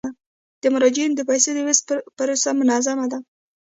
د مراجعینو د پيسو د ویش پروسه منظمه ده.